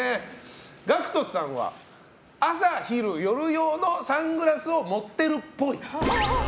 ＧＡＣＫＴさんは朝・昼・夜用のサングラスを持ってるっぽい。